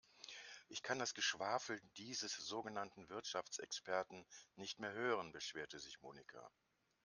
Ich kann das Geschwafel dieses sogenannten Wirtschaftsexperten nicht mehr hören, beschwerte sich Monika.